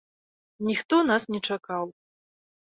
Ніхто нас не чакаў.